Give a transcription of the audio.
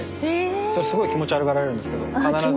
それすごい気持ち悪がられるんですけど必ず。